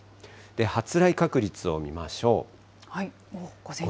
発雷確率を見ましょう。